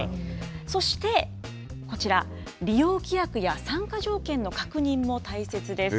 そしてこちら、利用規約や参加条件の確認も大切です。